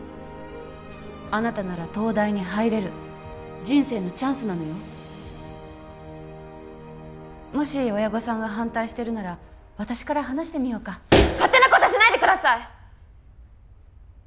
あなたなら東大に入れる人生のチャンスなのよもし親御さんが反対してるなら私から話してみようか勝手なことしないでください！